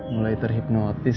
mulai terima kasih